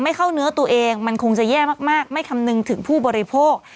เข้าเนื้อตัวเองมันคงจะแย่มากไม่คำนึงถึงผู้บริโภค